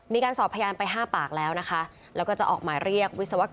มีการสอบพยานไปห้าปากแล้วนะคะแล้วก็จะออกหมายเรียกวิศวกร